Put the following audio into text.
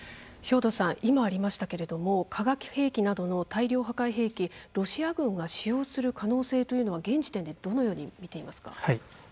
兵頭さん、今ありましたが化学兵器などの大量破壊兵器、ロシア軍が使用する可能性というのは現時点でどのように見ていますか？